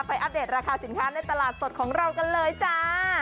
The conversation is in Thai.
อัปเดตราคาสินค้าในตลาดสดของเรากันเลยจ้า